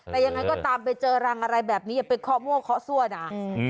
แต่ยังไงก็ตามไปเจอรังอะไรแบบนี้อย่าไปเคาะมั่วเคาะซั่วนะ